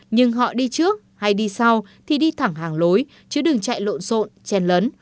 nhưng họ đi trước hay đi sau thì đi thẳng hàng lối chứ đừng chạy lộn xộn chen lấn